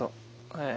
ええ。